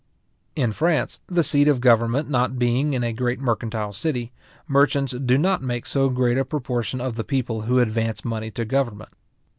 In France, the seat of government not being in a great mercantile city, merchants do not make so great a proportion of the people who advance money to government.